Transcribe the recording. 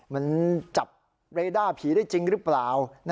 มันจับเรด้าผีได้จริงหรือเปล่า